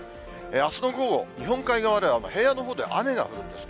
あすの午後、日本海側では平野のほうで雨が降るんですね。